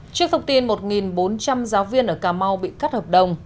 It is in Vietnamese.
trước thông tin một bốn trăm linh giáo viên ở cà mau bị cắt hợp đồng